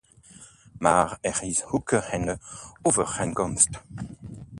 Maar er is ook een overeenkomst.